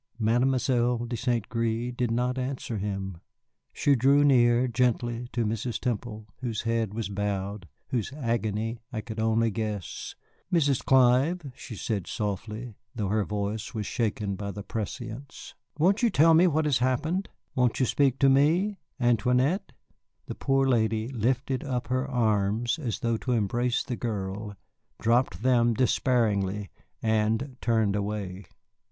Mademoiselle de St. Gré did not answer him. She drew near, gently, to Mrs. Temple, whose head was bowed, whose agony I could only guess. "Mrs. Clive," she said softly, though her voice was shaken by a prescience, "won't you tell me what has happened? Won't you speak to me Antoinette?" The poor lady lifted up her arms, as though to embrace the girl, dropped them despairingly, and turned away.